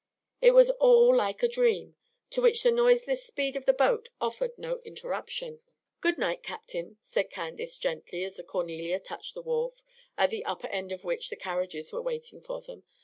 It was all like a dream, to which the noiseless speed of the boat offered no interruption. "Good night, Captain," said Candace, gently, as the "Cornelia" touched the wharf, at the upper end of which the carriages were waiting for them.